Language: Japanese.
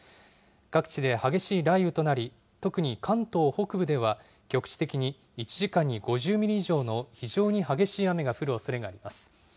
各地で激しい雷雨となり、特に関東北部では、局地的に１時間に５０ミリ以上の非常に激しい雨が降るおそれがあります。